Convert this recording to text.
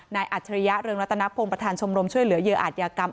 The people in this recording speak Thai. อัจฉริยะเรืองรัตนพงศ์ประธานชมรมช่วยเหลือเหยื่ออาจยากรรม